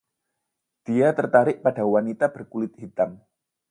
Dia tertarik pada wanita berkulit hitam.